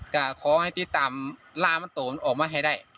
ก็ขอให้ตริตามลาร์มาตว์ออกมาให้ได้